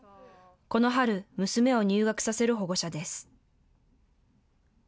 この春、娘を入学させる保護者です。